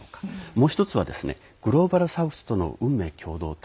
もう１つはグローバル・サウスとの運命共同体。